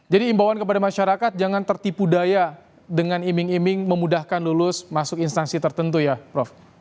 jadi imbauan kepada masyarakat jangan tertipu daya dengan iming iming memudahkan lulus masuk instansi tertentu ya prof